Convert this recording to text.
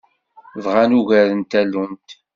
Bɣan ugar n tallunt.